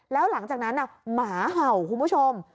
แล้วหลังจากนั้นหมาเห่าคุณผู้ชม